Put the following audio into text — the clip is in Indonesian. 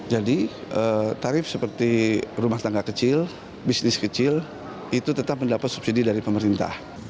jadi tarif seperti rumah tangga kecil bisnis kecil itu tetap mendapat subsidi dari pemerintah